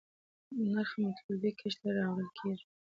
نرخ مطلوبې کچې ته راوړل کېږي.